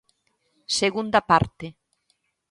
Segunda parte.